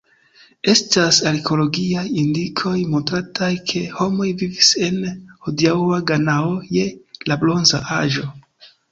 Estas arkeologiaj indikoj montrantaj ke homoj vivis en hodiaŭa Ganao je la Bronza Aĝo.